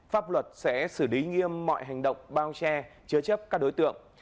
pháp luật sẽ xử lý nghiêm mọi hành động bao che chứa chấp các đối tượng